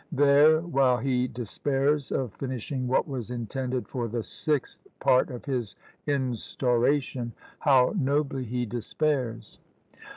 There, while he despairs of finishing what was intended for the sixth part of his Instauration, how nobly he despairs!